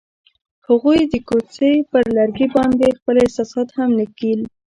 هغوی د کوڅه پر لرګي باندې خپل احساسات هم لیکل.